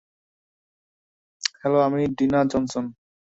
Hello, আমি Dina Johnson.